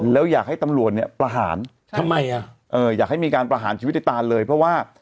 แล้วอยากให้ตำรวจเนี่ยประหารทำไมอ่ะเอ่ออยากให้มีการประหารชีวิตในตานเลยเพราะว่า